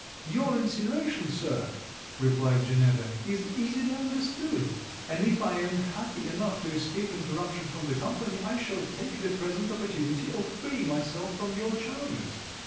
'Your insinuation, sir,' replied Janetta, 'is easily understood; and if I am happy enough to escape interruption from the company, I shall take the present opportunity of freeing myself from your charges.